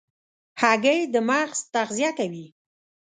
هګۍ د مغز تغذیه کوي.